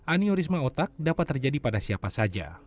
aneurisma otak dapat terjadi pada siapa saja